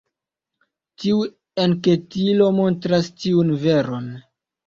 Tiu enketilo montras tiun veron.